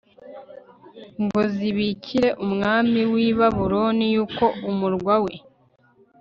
ngo zibikire umwami w i Babuloni yuko umurwa we